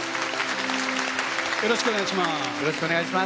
よろしくお願いします。